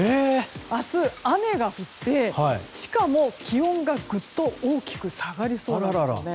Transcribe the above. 明日、雨が降ってしかも気温がぐっと大きく下がりそうなんですね。